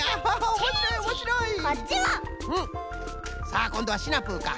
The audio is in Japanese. さあこんどはシナプーか。